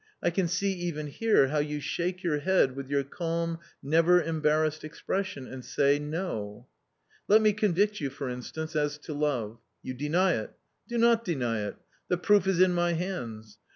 I can see even here how you shake your head with your calm never embarrassed expression, and say, no. " Let me convict _you, for instance, as to love ; you deny it. Do not deny it ; the proof is in my hands.